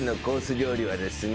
料理はですね